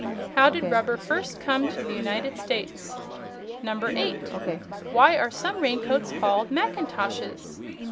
How did rubber first come to the United States? 8. Why are some raincoats called mackintoshes?